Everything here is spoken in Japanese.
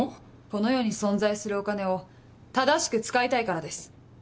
この世に存在するお金を正しく使いたいからです。